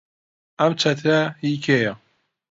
ئەم چەترە هی کێیە؟